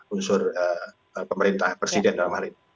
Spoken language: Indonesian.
unsur pemerintah presiden dalam hal ini